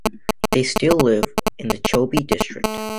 They still live in the Chobe district.